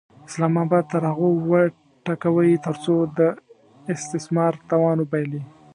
اسلام اباد تر هغو وټکوئ ترڅو د استثمار توان وبایلي.